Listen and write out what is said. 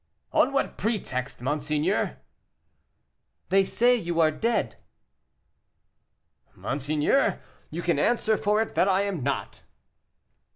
"On what pretext, monseigneur?" "They say you are dead." "Monseigneur, you can answer for it that I am not."